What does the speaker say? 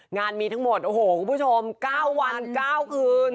งานมีทั้งหมดโอ้โหคุณผู้ชม๙วัน๙คืน